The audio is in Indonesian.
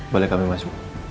boleh kami masuk